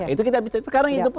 itu sekarang itu pun